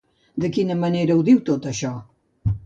De quina manera ho diu, tot això?